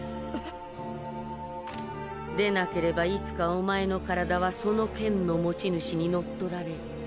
えっ！？でなければいつかおまえの身体はその剣の持ち主に乗っ取られる。